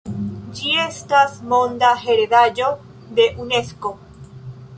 Ĝi estas monda heredaĵo de Unesko.